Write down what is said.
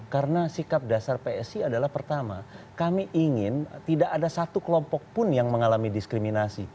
karena sikap dasar psi adalah pertama kami ingin tidak ada satu kelompok pun yang mengalami diskriminasi